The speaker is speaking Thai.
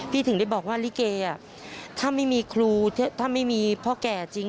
ถึงได้บอกว่าลิเกถ้าไม่มีครูถ้าไม่มีพ่อแก่จริง